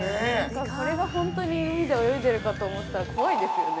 これが本当に海で泳いでいるかと思ったら怖いですよね。